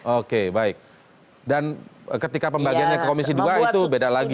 oke baik dan ketika pembagiannya ke komisi dua itu beda lagi